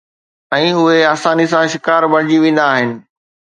۽ اهي آساني سان شڪار بڻجي ويندا آهن.